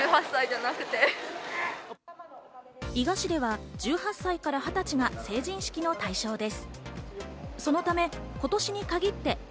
伊賀市では１８歳から２０歳が成人式の対象です。